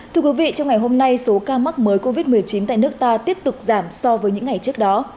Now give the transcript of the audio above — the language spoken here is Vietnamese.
thưa quý vị trong ngày hôm nay số ca mắc mới covid một mươi chín tại nước ta tiếp tục giảm so với những ngày trước đó